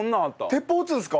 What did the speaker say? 鉄砲撃つんですか？